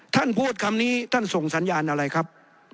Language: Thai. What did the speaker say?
ท่านพูดคำนี้ท่านส่งสัญญาณอะไรครับ